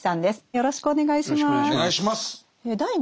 よろしくお願いします。